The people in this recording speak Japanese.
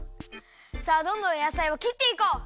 さあどんどんやさいをきっていこう！